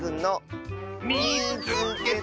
「みいつけた！」。